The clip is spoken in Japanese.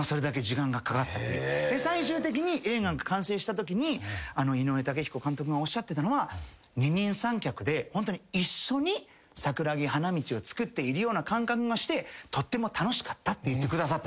最終的に映画が完成したときに井上雄彦監督がおっしゃってたのは「二人三脚でホントに一緒に桜木花道をつくっているような感覚がしてとっても楽しかった」って言ってくださった。